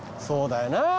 そうだよな。